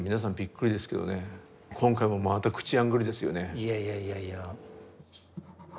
いやいやいやいや。